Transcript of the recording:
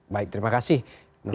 baik terima kasih nurholis